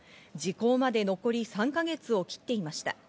時効まで残り３か月を切っていました。